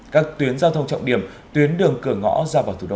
các tuyến giao thông trọng điểm tuyến đường cửa ngõ ra vào thủ đô